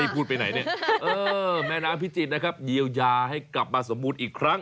อ่าแม่น้ำพิจิตรนะครับเยียวยาให้กลับมาสมมุติอีกครั้ง